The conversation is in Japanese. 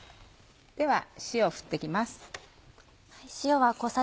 では塩を振って行きます。